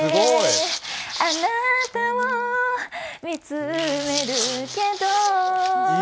あなたを見つめるけど。